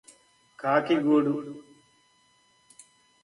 కాకి గూడు